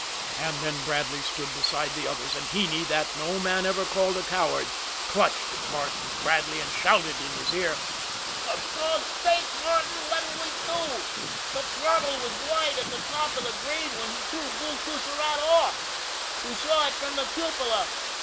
And then Bradley stood beside the others; and Heney, that no man ever called a coward, clutched at Martin Bradley and shouted in his ear: "For God's sake, Martin, what'll we do? The throttle was wide at the top of the grade when he threw Bull Coussirat off. We saw it from the cupola.